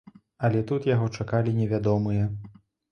Але тут яго чакалі невядомыя.